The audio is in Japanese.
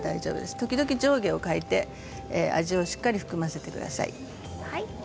時々上下を変えて味をしっかりとなじませてください。